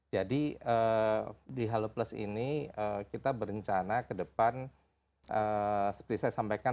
jadi di halo plus ini kita berencana ke depan seperti saya sampaikan